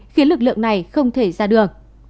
khiến lực lượng này không thể ra được